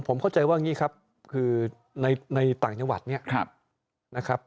ผมเข้าใจว่าอย่างนี้ครับคือในต่างจังหวัดเนี่ยนะครับ